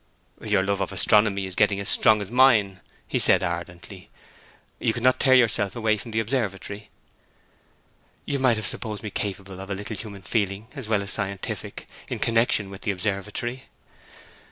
'Your love of astronomy is getting as strong as mine!' he said ardently. 'You could not tear yourself away from the observatory!' 'You might have supposed me capable of a little human feeling as well as scientific, in connection with the observatory.'